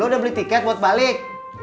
udah beli tiket buat balik